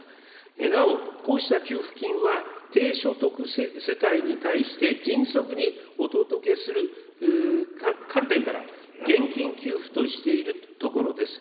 なお、こうした給付金は低所得世帯に対して、迅速にお届けする観点から、現金給付としているところです。